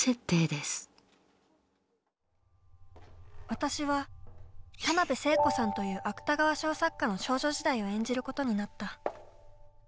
私は田辺聖子さんという芥川賞作家の少女時代を演じることになった。